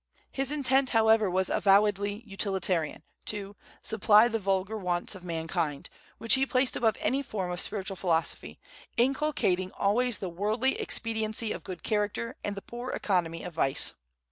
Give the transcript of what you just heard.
His intent, however, was avowedly utilitarian, to "supply the vulgar wants of mankind," which he placed above any form of spiritual philosophy, inculcating always the worldly expediency of good character and the poor economy of vice.